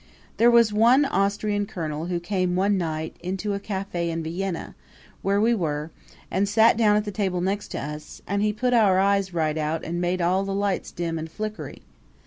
There was one Austrian colonel who came one night into a cafe in Vienna where we were and sat down at the table next to us; and he put our eyes right out and made all the lights dim and flickery.